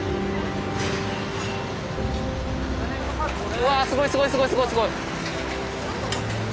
うわすごいすごいすごいすごい。